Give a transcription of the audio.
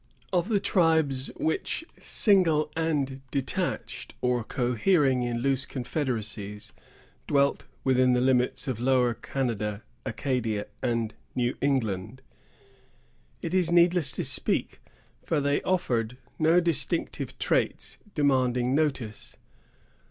Of the tribes which, single and detached, or cohering in loose confederacies, dwelt within the limits of Lower Canada, Acadia, and New England, it is needless to speak; for they offered no distinctive traits demanding notice.